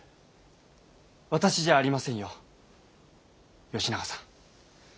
私じゃありませんよ吉永さん。